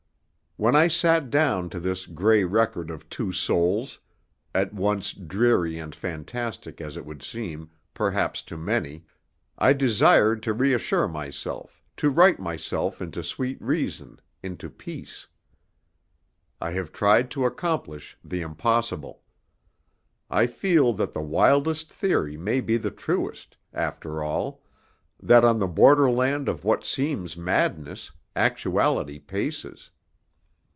When I sat down to this gray record of two souls at once dreary and fantastic as it would seem, perhaps, to many I desired to reassure myself, to write myself into sweet reason, into peace. I have tried to accomplish the impossible. I feel that the wildest theory may be the truest, after all that on the borderland of what seems madness, actuality paces.